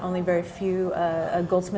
dan hanya sedikit penjaga dan penjaga